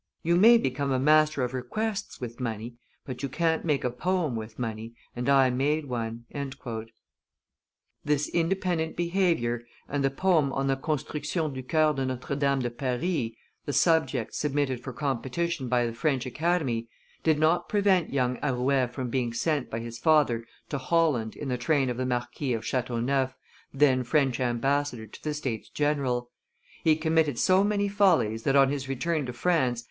You may become a master of requests with money; but you can't make a poem with money, and I made one." This independent behavior and the poem on the Construction du Choeur de Notre Dame de Paris, the subject submitted for competition by the French Academy, did not prevent young Arouet from being sent by his father to Holland in the train of the Marquis of Chateauneuf, then French ambassador to the States General; he committed so many follies that on his return to France, M.